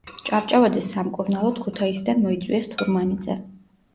ჭავჭავაძის სამკურნალოდ ქუთაისიდან მოიწვიეს თურმანიძე.